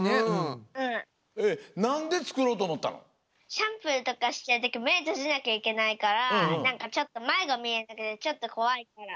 シャンプーとかしてるときめとじなきゃいけないからなんかちょっとまえがみえなくてちょっとこわいから。